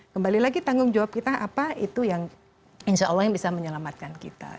kembali lagi tanggung jawab kita apa itu yang insya allah yang bisa menyelamatkan kita